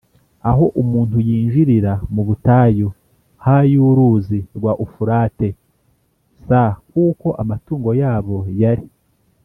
aho umuntu yinjirira mu butayu ha y uruzi rwa Ufurate s kuko amatungo yabo yari